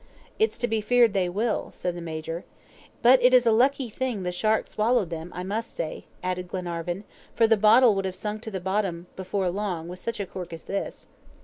"It's to be feared they will," said the Major. "But it is a lucky thing the shark swallowed them, I must say," added Glenarvan, "for the bottle would have sunk to the bottom before long with such a cork as this."